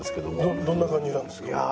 どんな感じなんですか？